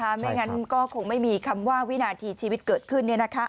ใช่ครับไม่งั้นก็คงไม่มีคำว่าวินาทีชีวิตเกิดขึ้นเนี่ยนะคะ